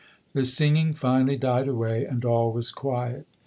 The singing finally died away and all was quiet.